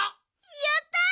やった！